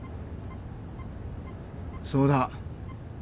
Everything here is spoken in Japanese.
そうだ。